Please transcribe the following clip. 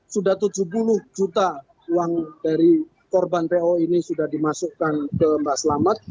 sudah tujuh puluh juta uang dari korban po ini sudah dimasukkan ke mbak selamat